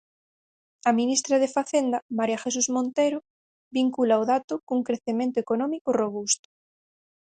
A ministra de Facenda, María Jesús Montero, vincula o dato cun crecemento económico robusto.